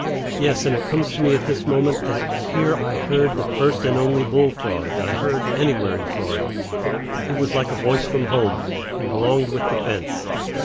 Yes, and it comes to me at this moment that here I heard the first and only bull frog that I heard anywhere in Florida. It was like a voice from home, and belonged with the fence.